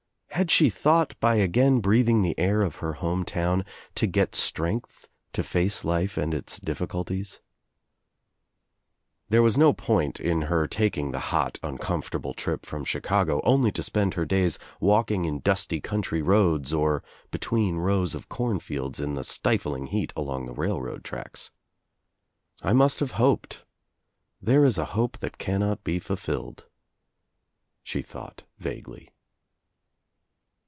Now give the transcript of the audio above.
Had she thought, by again breathing the air of her home town, to get strength to face life and its difHcuities? There was no point in her taking the hot uncom* I I OUT OV NOWHERE INTO NOTHING 175 'fortabic trip from Chicago only to spend her days walking in dusty country roads or between rows of cornfields in the stifling heat along the railroad tracks. "I must have hoped. There is a hope that cannot :be fulfilled," she thought vaguely.